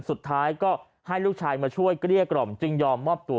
สุดท้ายก็ให้ลูกชายมาช่วยเกลี้ยกล่อมจึงยอมมอบตัว